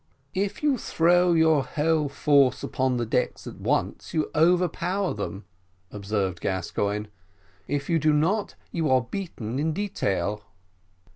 "If you throw your whole force upon the decks at once, you overpower them," observed Gascoigne; "if you do not, you are beaten in detail."